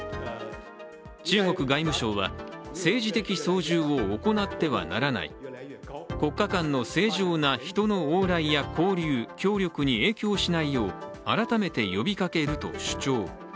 中国外務相は政治的操縦を行ってはならない、国家間の正常な人の往来や交流・協力に影響しないよう改めて呼びかけると主張。